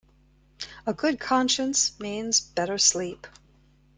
A good conscience means better sleep.